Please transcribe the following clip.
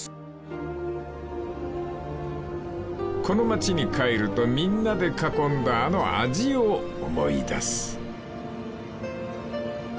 ［この町に帰るとみんなで囲んだあの味を思い出す］